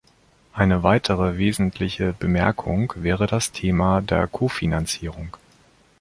Eine weitere wesentliche Bemerkung wäre das Thema der Kofinanzierung.